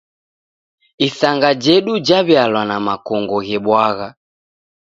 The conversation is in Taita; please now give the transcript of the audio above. Isanga jedu jaw'ialwa na makongo ghebwagha.